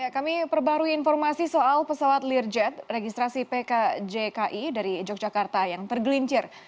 kami perbarui informasi soal pesawat learjet registrasi pkjki dari yogyakarta yang tergelincir